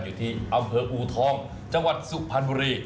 อยู่ที่อำเภออูทองจังหวัดสุพรรณบุรี